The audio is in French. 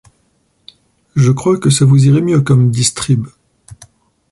Je crois que ça vous irait mieux comme distrib…